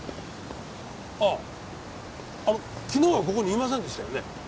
あああの昨日はここにいませんでしたよね？